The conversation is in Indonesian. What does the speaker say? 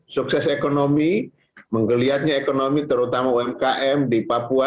sukses ekonomi menggeliatnya ekonomi terutama umkm di papua